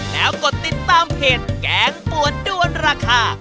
แล้วกดติดตามเพจแกงปวดด้วนราคา